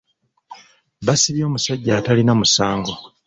Baasibye omusajja atalina musango.